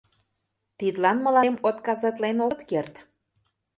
Тидлан мыланем отказатлен огыт керт.